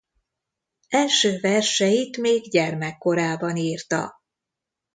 Első verseit még gyermekkorában írta.